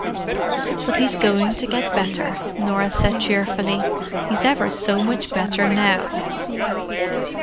"But he's going to get better," Norah said cheerfully. "He's ever so much better now."